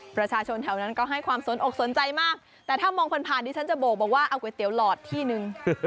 ประชาชนแถวนั้นก็ให้ความสนอกสนใจมากแต่ถ้ามองผ่านดิฉันจะโบกบอกว่าเอาก๋วยเตี๋หลอดที่นึง